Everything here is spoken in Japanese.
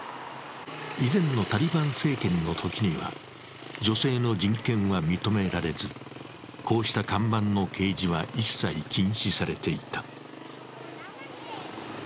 以前のタリバン政権のときには女性の人権は認められず、こうした看板の掲示は一切禁止されていた。